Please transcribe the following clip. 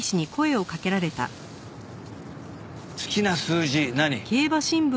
好きな数字何？